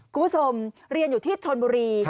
คุณผู้ชมเรียนอยู่ที่ชนบุรี